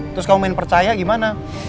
terus kamu main percaya gimana